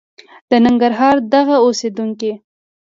د ننګرهار دغه اوسېدونکي